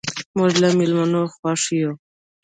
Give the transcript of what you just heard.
موږ له میلمانه خوښ یو.